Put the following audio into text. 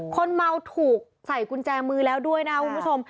คนเมาถูกใส่กุญแจมือแล้วด้วยนะครับคุณผู้ชม